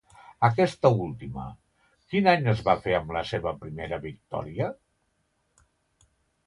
Aquesta última, quin any es va fer amb la seva primera victòria?